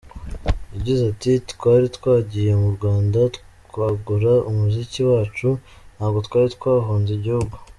Yagize ati “Twari twagiye mu Rwanda kwagura umuziki wacu, ntabwo twari twahunze igihugu.